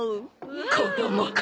子供か！